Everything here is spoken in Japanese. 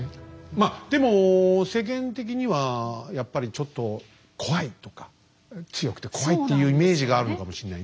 まあでも世間的にはやっぱりちょっと怖いとか強くて怖いっていうイメージがあるのかもしんないね。